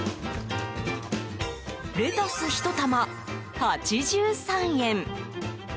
レタス、１玉８３円。